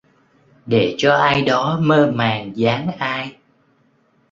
Để cho ai đó mơ màng dáng ai